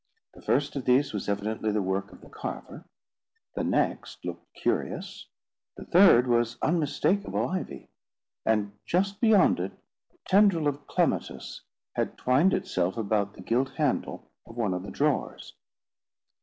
The first of these was evidently the work of the carver; the next looked curious; the third was unmistakable ivy; and just beyond it a tendril of clematis had twined itself about the gilt handle of one of the drawers.